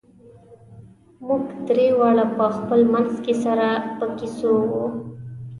موږ درې واړه په خپل منځ کې سره په کیسو وو.